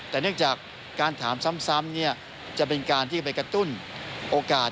แต่เนื่องจากการถามซ้ำจะเป็นการที่ไปกระตุ้นโอกาส